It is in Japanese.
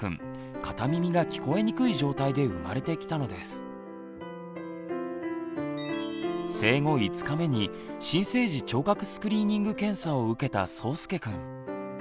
実はそうすけくん生後５日目に新生児聴覚スクリーニング検査を受けたそうすけくん。